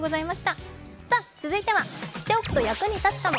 続いては、知っておくと役に立つかも。